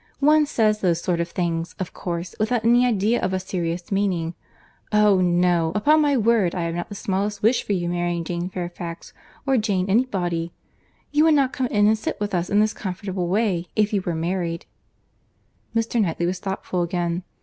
One says those sort of things, of course, without any idea of a serious meaning. Oh! no, upon my word I have not the smallest wish for your marrying Jane Fairfax or Jane any body. You would not come in and sit with us in this comfortable way, if you were married." Mr. Knightley was thoughtful again.